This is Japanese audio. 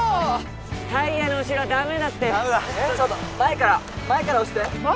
タイヤの後ろはダメだってダメだちょっと前から前から押して前？